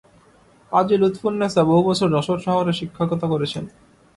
কাজী লুৎফুন্নেসা বহু বছর যশোর শহরে শিক্ষকতা করছেন।